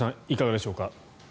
いかがでしょうか。